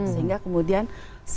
sehingga kemudian satu institusi